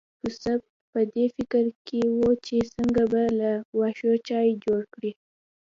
پسه په دې فکر کې و چې څنګه بې له واښو چای جوړ کړي.